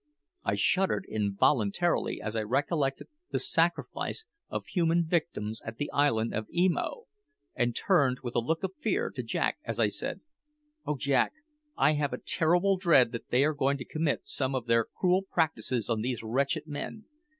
I shuddered involuntarily as I recollected the sacrifice of human victims at the island of Emo, and turned with a look of fear to Jack as I said: "Oh Jack! I have a terrible dread that they are going to commit some of their cruel practices on these wretched men.